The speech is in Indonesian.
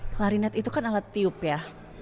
klarinet itu kan alat tiup ya